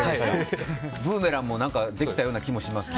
ブーメランもできたような気がします。